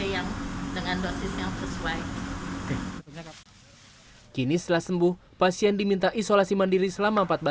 yang dengan dosis yang sesuai kini setelah sembuh pasien diminta isolasi mandiri selama empat belas